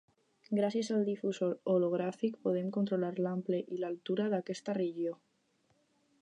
Gràcies al difusor hologràfic podem controlar l'ample i l'altura d'aquesta regió.